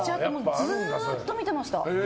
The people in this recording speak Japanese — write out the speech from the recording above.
ずっと見てました。